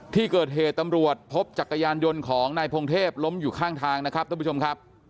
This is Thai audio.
ที่เกิดเหตุตำรวจพบจักรยานยนต์ของนายพงเทพล้มอยู่ข้างทางนะครับท่านผู้ชมครับ